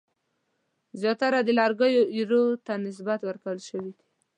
زیاتره د لرګیو ایرو ته نسبت ورکول شوی دی.